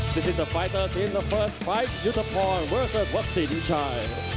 นี่คือสมศักดิ์ที่สุดท้ายยุทธพอร์ตและวัสดิ์ดิชัย